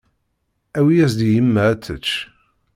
Awi-yas-d i yemma ad tečč.